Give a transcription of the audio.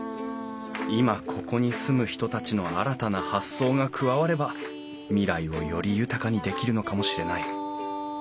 今ここに住む人たちの新たな発想が加われば未来をより豊かにできるのかもしれない。